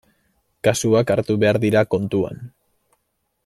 Kasuak hartu behar dira kontuan.